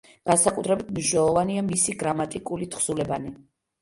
განსაკუთრებით მნიშვნელოვანია მისი გრამატიკული თხზულებანი.